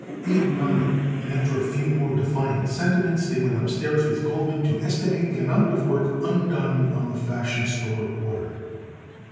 Abe nodded and, after a few more defiant sentiments, they went upstairs with Goldman to estimate the amount of work undone on the Fashion Store order.